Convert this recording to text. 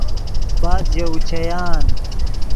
بعد ژے اوچیان